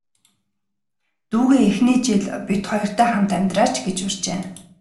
Дүүгээ эхний жил бид хоёртой хамт амьдраач гэж урьжээ.